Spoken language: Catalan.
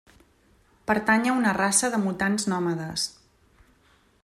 Pertany a una raça de mutants nòmades.